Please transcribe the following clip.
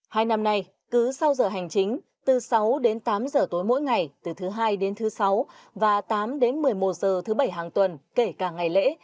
hai năm nay cứ sau giờ hành chính từ sáu đến tám giờ tối mỗi ngày từ thứ hai đến thứ sáu và tám đến một mươi một h thứ bảy hàng tuần kể cả ngày lễ